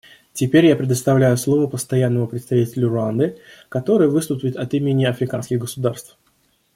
Теперь я предоставляю слово Постоянному представителю Руанды, который выступит от имени африканских государств.